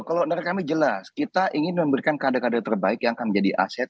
kalau dari kami jelas kita ingin memberikan kader kader terbaik yang akan menjadi aset